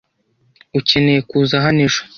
Ukeneye kuza hano ejo.